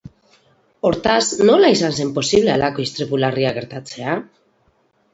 Hortaz, nola izan zen posible halako istripu larria gertatzea?